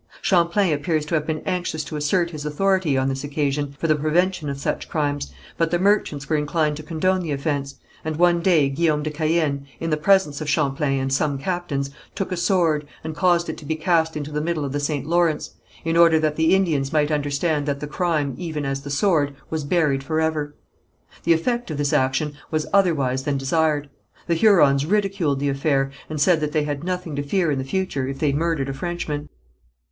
Champlain appears to have been anxious to assert his authority, on this occasion, for the prevention of such crimes, but the merchants were inclined to condone the offence, and one day Guillaume de Caën in the presence of Champlain and some captains, took a sword, and caused it to be cast into the middle of the St. Lawrence, in order that the Indians might understand that the crime even as the sword, was buried forever. The effect of this action was otherwise than desired. The Hurons ridiculed the affair, and said that they had nothing to fear in the future if they murdered a Frenchman.